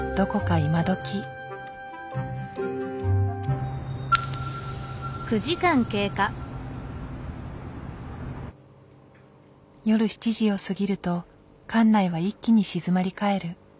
夜７時を過ぎると館内は一気に静まり返る。